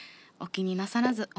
お気になさらず。